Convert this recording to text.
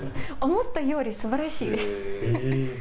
思ったよりすばらしいです。